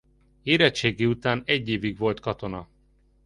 Érettségi után egy évig volt katona.